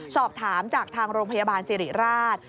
สอบถามจากทางโรงพยาบาลสิริราช